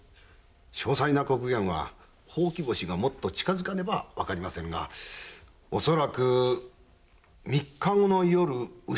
詳細な刻限はほうき星がもっと近づかねばわかりませんがおそらく三日後の夜丑の刻あたり。